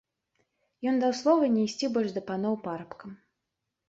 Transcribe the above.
Ён даў слова не ісці больш да паноў парабкам.